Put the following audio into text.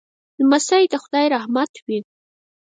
لمسی د خدای رحمت وي.